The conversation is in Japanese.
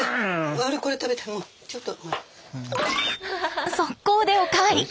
悪いこれ食べてもうちょっと。